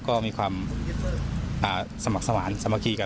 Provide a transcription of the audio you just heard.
ก็มีความสมัครสวรรค์สมัครกีกัน